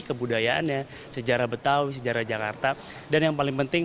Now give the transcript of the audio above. kebudayaannya sejarah betawi sejarah jakarta dan yang paling penting